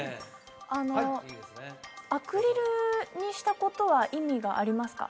あのアクリルにしたことは意味がありますか？